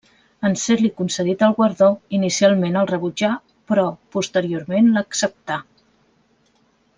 En ser-li concedit el guardó inicialment el rebutjà però posteriorment l'acceptà.